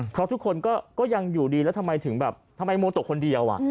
เพราะทุกคนก็ยังอยู่ดีแล้วทำไมโมตกคนเดียว